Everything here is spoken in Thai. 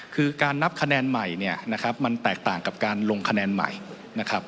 คือการนับคะแนนใหม่มันแตกต่างกับการลงคะแนนใหม่